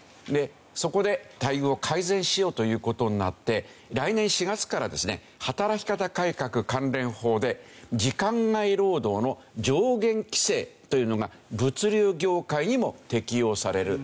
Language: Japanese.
そこで待遇を改善しようという事になって来年４月からですね働き方改革関連法で時間外労働の上限規制というのが物流業界にも適用される。